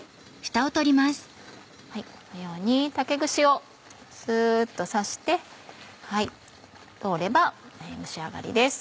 このように竹串をすっと刺して通れば蒸し上がりです。